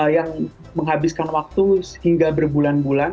yang menghabiskan waktu hingga berbulan bulan